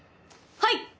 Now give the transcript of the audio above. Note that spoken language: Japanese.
はい！